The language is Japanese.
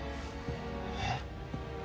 えっ？